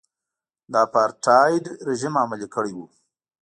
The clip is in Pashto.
د اپارټایډ رژیم عملي کړی و.